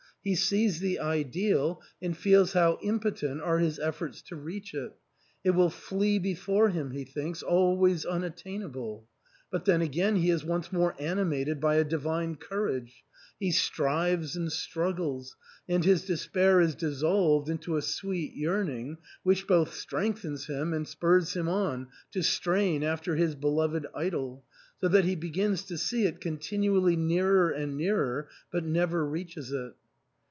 He sees the Ideal and feels how impo tent are his efforts to reach it ; it will flee before him, he thinks, always unattainable. But then again he is once more animated by a divine courage ; he strives and struggles, and his despair is dissolved into a sweet yearning, which both strengthens him and spurs him on to strain after his beloved idol, so that he begins to see it continually nearer and nearer, but never reaches it.